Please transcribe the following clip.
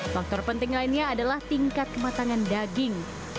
faktor penting lainnya adalah tingkat kematangan daging